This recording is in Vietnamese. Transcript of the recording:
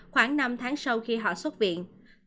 khoảng năm tháng sau khi họ xuất viện